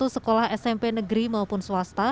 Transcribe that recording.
dua puluh satu sekolah smp negeri maupun swasta